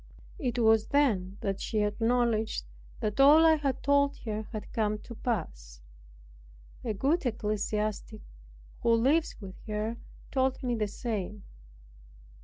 It was then that she acknowledged that all I had told her had come to pass. A good ecclesiastic, who lives with her, told me the same.